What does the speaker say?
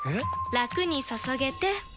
ラクに注げてペコ！